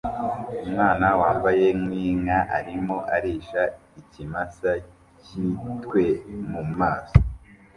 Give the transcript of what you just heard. Umwana wambaye nkinka arimo arisha ikimasa cyitwe mumaso